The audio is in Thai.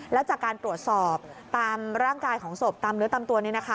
แล้วจากการตรวจสอบตามร่างกายของศพตามเนื้อตามตัวนี้นะคะ